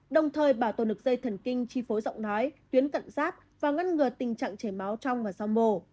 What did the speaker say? đồng thời bảo tồn được dây thần kinh chi phối giọng nói tuyến cận giáp và ngăn ngừa tình trạng chảy máu trong và sau mổ